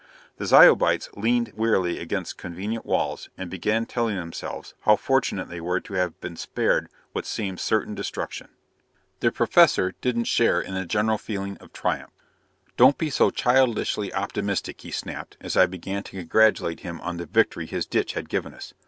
The Zyobites leaned wearily against convenient walls and began telling themselves how fortunate they were to have been spared what seemed certain destruction. The Professor didn't share in the general feeling of triumph. "Don't be so childishly optimistic!" he snapped as I began to congratulate him on the victory his ditch had given us.